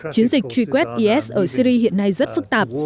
chiến dịch truy quét is ở syri hiện nay rất phức tạp